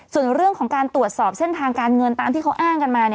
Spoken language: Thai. ส่วนเรื่องของการตรวจสอบเส้นทางการเงินตามที่เขาอ้างกันมา